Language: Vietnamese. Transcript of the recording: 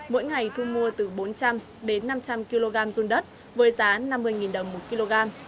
mỗi ngày thu mua từ bốn trăm linh đến năm trăm linh kg run đất với giá năm mươi đồng một kg